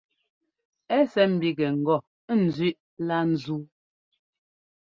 Ɛ́ sɛ́ ḿbígɛ ŋgɔ ńzẅíꞌ lá ńzúu.